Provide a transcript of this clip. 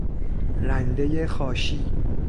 رندهی خاشی